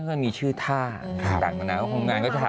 คือมีชื่อท่าแต่งนั้นก็คงงานก็จะถาม